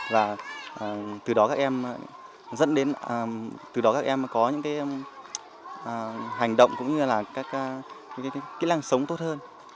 và từ đó các em có những hành động cũng như là các kỹ năng sống tốt hơn